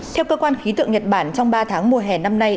theo cơ quan khí tượng nhật bản trong ba tháng mùa hè năm nay